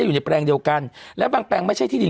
คยะวันละเป็นตัน